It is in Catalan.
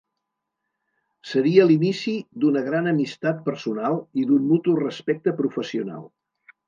Seria l'inici d'una gran amistat personal i d'un mutu respecte professional.